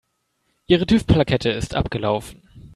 Ihre TÜV-Plakette ist abgelaufen.